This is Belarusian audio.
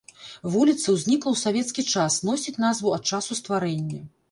Вуліца ўзнікла ў савецкі час, носіць назву ад часу стварэння.